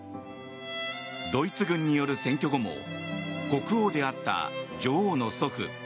ドイツ軍による占拠後も国王であった女王の祖父